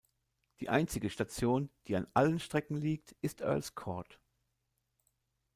Die einzige Station, die an allen Strecken liegt, ist Earl’s Court.